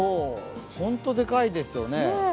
本当大きいですよね。